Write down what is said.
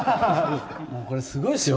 これすごいですよ。